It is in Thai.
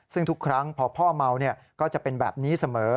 ซึ่งทุกครั้งพอพ่อเมาก็จะเป็นแบบนี้เสมอ